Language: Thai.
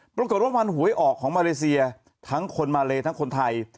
ปรากฏว่าวันหวยออกของมาเลเซียทั้งคนมาเลทั้งคนไทย